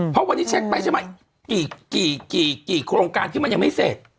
เพราะวันนี้แชคไปใช่ไหมกี่กี่กี่กี่โครงการขึ้นมายังไม่เสร็จ